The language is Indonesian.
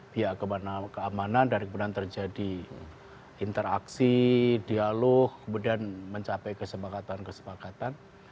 dan memberitahukan kepada pihak keamanan dari kemudian terjadi interaksi dialog kemudian mencapai kesepakatan kesepakatan